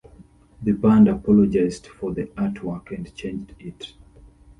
The band apologized for the artwork and changed it.